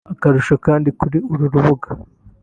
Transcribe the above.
Akarusho kandi kuri uru rubuga